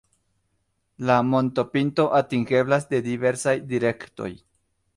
La montopinto atingeblas de diversaj direktoj.